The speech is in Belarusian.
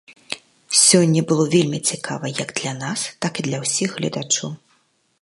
Сёння было вельмі цікава як для нас, так і для ўсіх гледачоў.